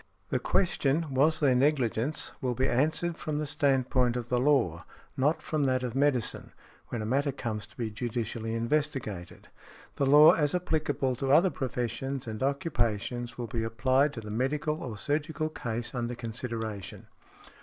The question, "Was there negligence?" will be answered from the stand point of the law, not from that of medicine, when a matter comes to be judicially investigated. The law as applicable to other professions and occupations will be applied to the medical or surgical case under consideration.